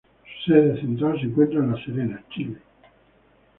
Su sede central se encuentra en La Serena, Chile.